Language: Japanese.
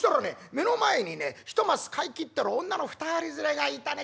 目の前にね一升買い切ってる女の２人連れがいたね。